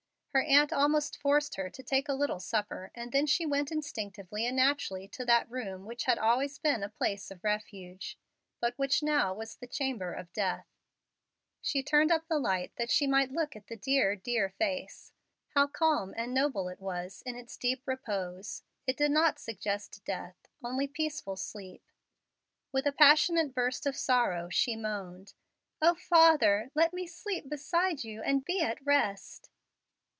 Her aunt almost forced her to take a little supper, and then she went instinctively and naturally to that room which had always been a place of refuge, but which now was the chamber of death. She turned up the light that she might look at the dear, dear face. How calm and noble it was in its deep repose! It did not suggest death only peaceful sleep. With a passionate burst of sorrow she moaned, "O father, let me sleep beside you, and be at rest!"